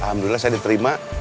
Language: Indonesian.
alhamdulillah saya diterima